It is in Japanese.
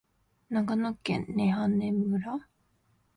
長野県根羽村